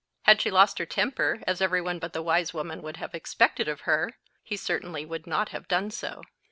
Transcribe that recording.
Had she lost her temper, as every one but the wise woman would have expected of her, he certainly would not have done so.